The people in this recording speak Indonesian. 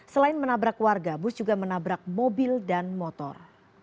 selain menabrak warga bus juga menabrak mobil dan motor